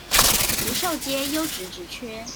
福壽街優質職缺